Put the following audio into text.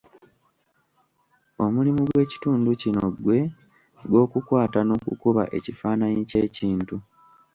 Omulimu gw'ekitundu kino gwe gw'okukwata n'okukuba ekifaananyi ky'ekintu.